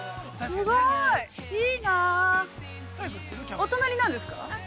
お隣なんですか。